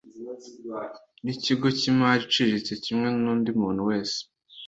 ni ikigo cy’imari iciriritse kimwe n’undi muntu wese